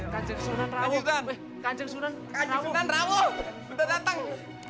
kanjeng sunan rawuh udah datang